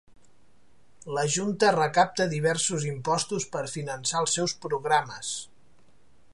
La junta recapta diversos impostos per finançar els seus programes.